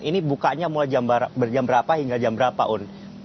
ini bukanya mulai jam berapa hingga jam berapa un